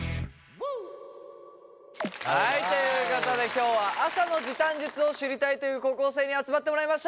はいということで今日は朝の時短術を知りたいという高校生に集まってもらいました